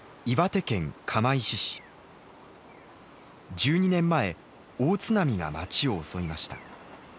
１２年前大津波が町を襲いました。